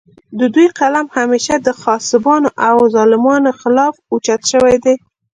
د دوي قلم همېشه د غاصبانو او ظالمانو خالف اوچت شوے دے